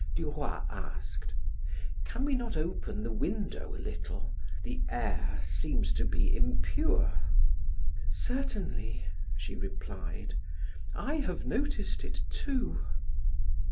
Duroy asked: "Can we not open the window a little? The air seems to be impure." "Certainly," she replied; "I have noticed it too."